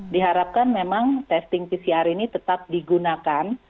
diharapkan memang testing pcr ini tetap digunakan